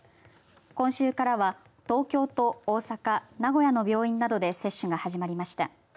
今週からは東京と大阪、名古屋の病院などで接種が始まりました。